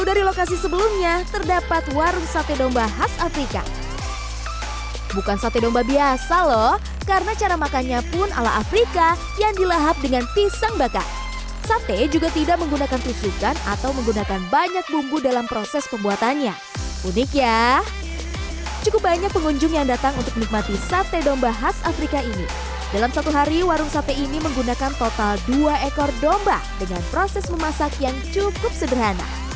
dua ekor domba dengan proses memasak yang cukup sederhana